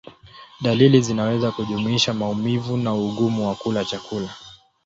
Dalili zinaweza kujumuisha maumivu na ugumu wa kula chakula.